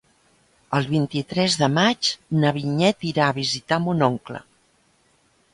El vint-i-tres de maig na Vinyet irà a visitar mon oncle.